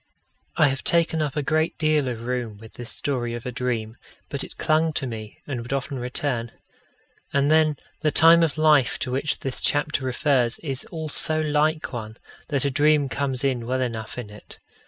I have taken up a great deal of room with this story of a dream, but it clung to me, and would often return. And then the time of life to which this chapter refers is all so like one, that a dream comes in well enough in it.